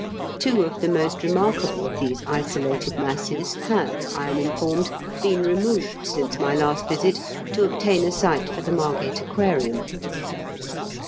Two of the most reiaarkable of these isolated masses have, I am informed, been removed, since my last visit, to obtain a site for the Margate Aquarium.